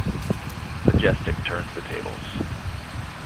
Majestyk turns the tables.